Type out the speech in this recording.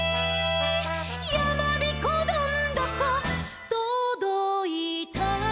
「やまびこどんどことどいた」